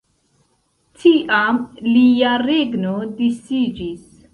Tiam lia regno disiĝis.